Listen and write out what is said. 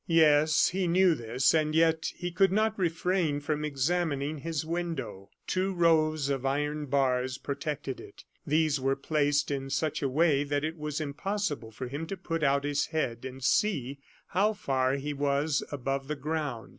Yes, he knew this, and yet he could not refrain from examining his window. Two rows of iron bars protected it. These were placed in such a way that it was impossible for him to put out his head and see how far he was above the ground.